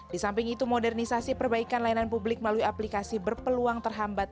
di samping itu modernisasi perbaikan layanan publik melalui aplikasi berpeluang terhambat